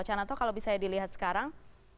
cananto kalau bisa dilihat sekarang